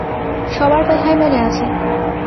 সবার কথাই মনে আছে।